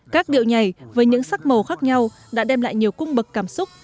các điệu nhảy với những sắc màu khác nhau đã đem lại nhiều cung bậc cảm xúc